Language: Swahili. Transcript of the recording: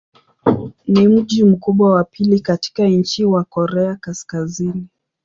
Ni mji mkubwa wa pili katika nchi wa Korea Kaskazini.